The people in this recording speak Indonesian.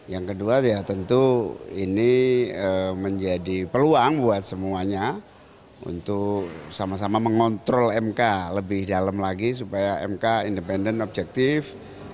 yang kedua ya tentu ini menjadi peluang buat semuanya untuk sama sama mengontrol mk lebih dalam lagi supaya mk independen objektif